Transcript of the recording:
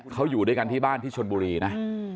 เขาอยู่ด้วยกันที่บ้านที่ชนบุรีนะ